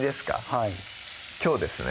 はいきょうですね